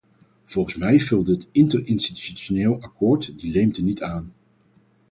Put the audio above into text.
Volgens mij vult dit interinstitutioneel akkoord die leemte niet aan.